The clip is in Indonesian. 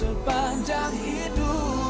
selama sepanjang hidup